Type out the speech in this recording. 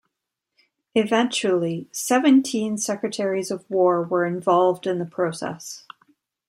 Eventually, seventeen Secretaries of War were involved in the process.